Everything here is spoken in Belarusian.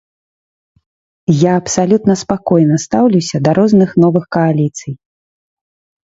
Я абсалютна спакойна стаўлюся да розных новых кааліцый.